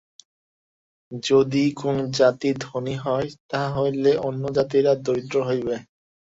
যদি কোন জাতি ধনী হয়, তাহা হইলে অন্য জাতিরা দরিদ্র হইবে।